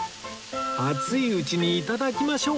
熱いうちに頂きましょう